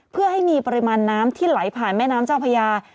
เพื่อให้มีปริมาณน้ำที่ไหลผ่านแม่น้ำเจ้าพญา